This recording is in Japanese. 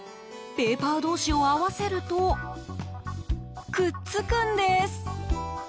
ペーパー同士を合わせるとくっつくんです。